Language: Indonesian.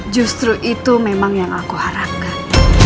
justru itu memang yang aku harapkan